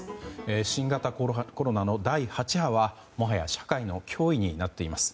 新型コロナの第８波はもはや社会の脅威になっています。